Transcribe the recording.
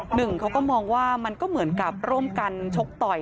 หนึ่งเขาก็มองว่ามันก็เหมือนกับร่วมกันชกต่อย